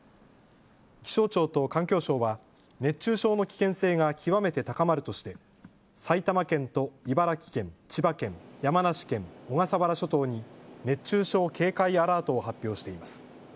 気象庁と環境省は熱中症の危険性が極めて高まるとして埼玉県と茨城県、千葉県、山梨県、小笠原諸島に熱中症警戒アラートを発表しています。